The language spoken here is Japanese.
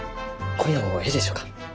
今夜もえいでしょうか？